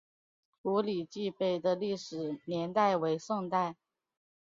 五礼记碑的历史年代为宋代。